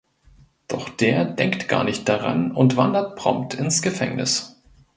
Doch der denkt gar nicht daran und wandert prompt ins Gefängnis.